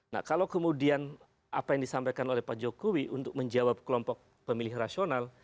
nah kalau kemudian apa yang disampaikan oleh pak jokowi untuk menjawab kelompok pemilih rasional